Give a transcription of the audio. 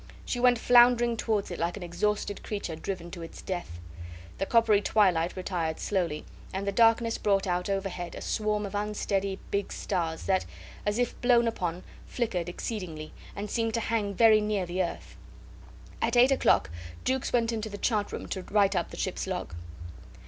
She went floundering towards it like an exhausted creature driven to its death. The coppery twilight retired slowly, and the darkness brought out overhead a swarm of unsteady, big stars, that, as if blown upon, flickered exceedingly and seemed to hang very near the earth. At eight o'clock Jukes went into the chart room to write up the ship's log.